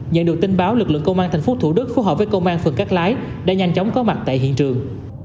nhận được tin báo lực lượng công an thành phố thủ đức phù hợp với công an phần cát lái đã nhanh chóng có mặt tại hiện trường